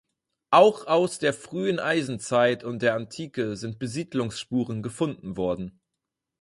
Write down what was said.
Auch aus der frühen Eisenzeit und der Antike sind Besiedlungsspuren gefunden worden.